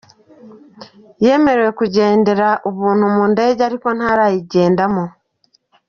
Yemerewe kugendera ubuntu mu ndege ariko ntarayigendamo.